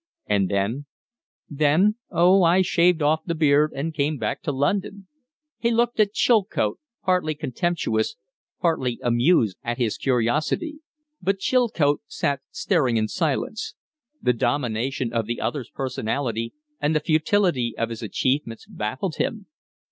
"And then?" "Then? Oh, I shaved off the beard and came back to London!" He looked at Chilcote, partly contemptuous, partly amused at his curiosity. But Chilcote sat staring in silence. The domination of the other's personality and the futility of his achievements baffled him.